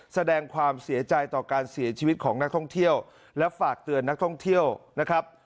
แสดงความเสียใจต่อการเสียชีวิตของนักท่องเที่ยวและฝากเตือนนักท่องเที่ยวนะครับ